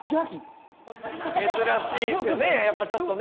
珍しいですよねやっぱちょっとね。